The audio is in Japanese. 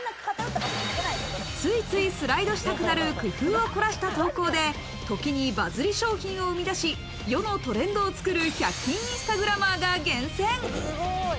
ついついスライドしたくなる、工夫を凝らした投稿で、時にバズり商品を生み出す、世のトレンドを作る、１００均インスタグラマーが厳選。